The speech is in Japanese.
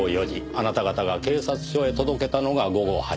あなた方が警察署へ届けたのが午後８時。